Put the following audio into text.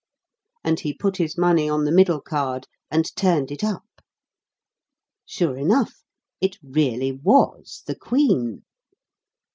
And he put his money on the middle card, and turned it up. Sure enough, it really was the queen!